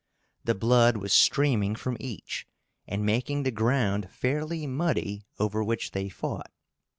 The blood was streaming from each and making the ground fairly muddy over which they fought.